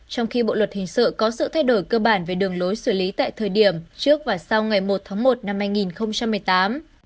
trong khi bộ luật hình sự có sự thay đổi cơ bản về đường lối xử lý tại thời điểm trước và sau ngày một tháng một năm hai nghìn một mươi tám